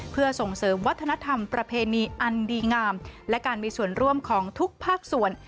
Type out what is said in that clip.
เพื่อส่งเสริมวัฒนธรรมประเพณีอันดีงามและการมีส่วนร่วมของทุกภาคส่วน